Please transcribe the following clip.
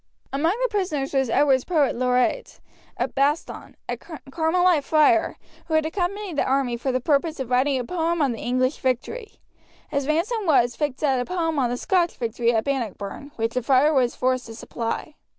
Among the prisoners was Edward's poet laureate, Baston, a Carmelite friar, who had accompanied the army for the purpose of writing a poem on the English victory. His ransom was fixed at a poem on the Scotch victory at Bannockburn, which the friar was forced to supply.